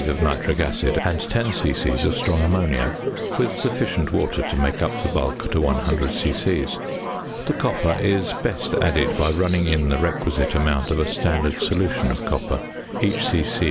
of nitric acid and 10 c.c. of strong ammonia, with sufficient water to make up the bulk to 100 c.c. The copper is best added by running in the requisite amount of a standard solution of copper, each c.c.